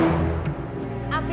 dia akan tuntaskan diri